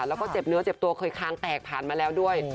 แล้วก็เจ็บเนื้อเจ็บตัวเคยคางแตกผ่านมาแล้วด้วย